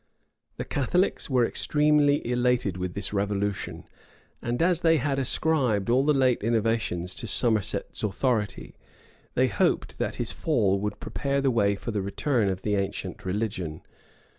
The Catholics were extremely elated with this revolution; and as they had ascribed all the late innovations to Somerset's authority, they hoped that his fall would prepare the way for the return of the ancient religion.